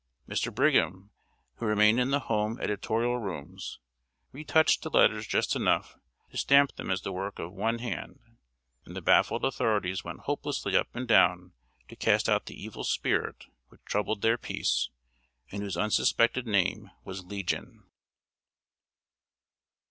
Mr. Brigham, who remained in the home editorial rooms, retouched the letters just enough to stamp them as the work of one hand, and the baffled authorities went hopelessly up and down to cast out the evil spirit which troubled their peace, and whose unsuspected name was legion.